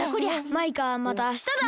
マイカまたあしただ。